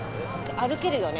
歩けるよね。